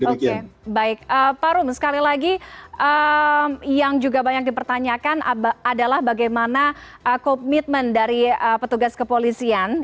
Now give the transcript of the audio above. oke baik pak rum sekali lagi yang juga banyak dipertanyakan adalah bagaimana komitmen dari petugas kepolisian